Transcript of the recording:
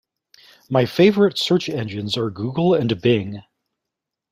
My favourite search engines are Google and Bing.